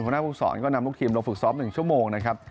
หน้าภูมิศรก็นำลูกทีมลงฝึกซ้อม๑ชั่วโมงนะครับ